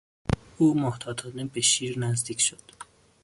او محتاطانه به شیر نزدیک شد.